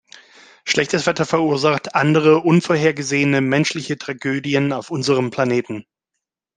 Schlechtes Wetter verursacht andere unvorhergesehene menschliche Tragödien auf unserem Planeten.